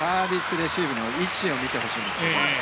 レシーブの位置を見てほしいんですね。